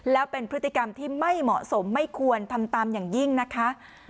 แล้วเป็นพฤติกรรมที่ไม่เหมาะสมไม่ควรทำตามอย่างยิ่งนะคะ